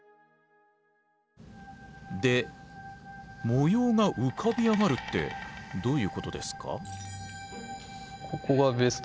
で模様が浮かび上がるってどういうことですか？